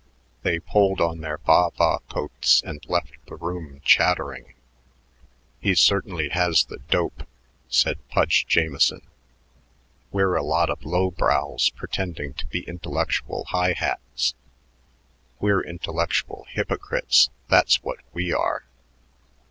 They pulled on their baa baa coats and left the room chattering. "He certainly has the dope," said Pudge Jamieson. "We're a lot of low brows pretending to be intellectual high hats. We're intellectual hypocrites; that's what we are."